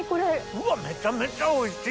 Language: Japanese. うわっめちゃめちゃおいしい。